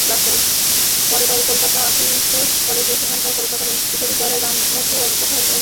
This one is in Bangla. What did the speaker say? পরে কলকাতার আশুতোষ কলেজে এবং সেখান থেকে কলকাতা বিশ্ববিদ্যালয়ের রামতনু অধ্যাপক পদে।